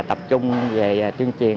tập trung về tuyên truyền